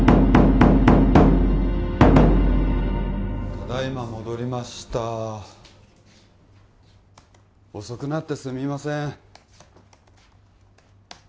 ただいま戻りました遅くなってすみません